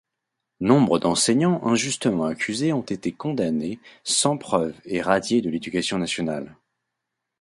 Nombre d'enseignants injustement accusés ont été condamnés sans preuves et radiés de l'Éducation nationale.